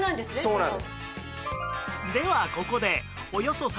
そうなんです。